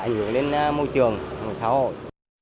ảnh hưởng đến môi trường xã hội